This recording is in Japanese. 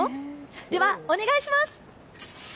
では、お願いします。